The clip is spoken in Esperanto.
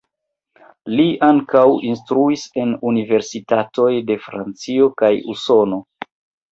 Li ankaŭ instruis en universitatoj de Francio kaj Usono.